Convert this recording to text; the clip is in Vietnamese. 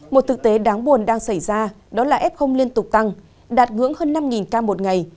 một thực tế đáng buồn đang xảy ra đó là f liên tục tăng đạt ngưỡng hơn năm ca một ngày